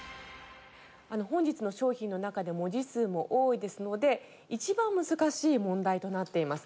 本日の商品の中で文字数も多いですので一番難しい問題となっています。